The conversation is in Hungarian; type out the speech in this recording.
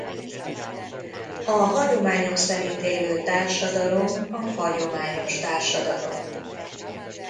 A hagyományok szerint élő társadalom a hagyományos társadalom.